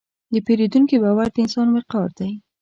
د پیرودونکي باور د انسان وقار دی.